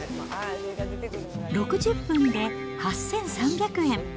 ６０分で８３００円。